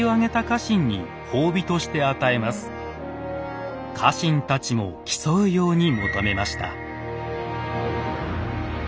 家臣たちも競うように求めました。